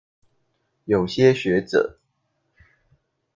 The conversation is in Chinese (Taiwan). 有些學者